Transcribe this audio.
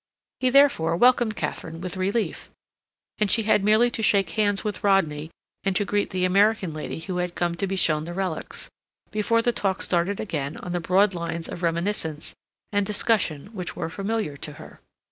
He, therefore, welcomed Katharine with relief, and she had merely to shake hands with Rodney and to greet the American lady who had come to be shown the relics, before the talk started again on the broad lines of reminiscence and discussion which were familiar to her.